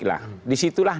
pidato politik lah